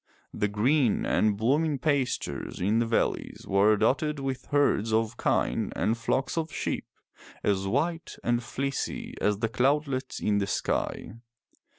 The green and blooming pastures in the valleys were dotted with herds of kine and flocks of sheep as white and fieecy as the cloudlets in the sky.